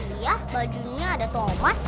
iya bajunya ada tomat